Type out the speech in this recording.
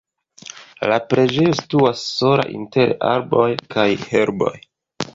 La preĝejo situas sola inter arboj kaj herboj.